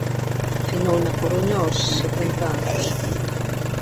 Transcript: Finou na Coruña aos setenta anos.